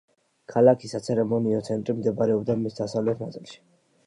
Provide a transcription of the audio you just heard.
ქალაქის საცერემონიო ცენტრი მდებარეობდა მის დასავლეთ ნაწილში.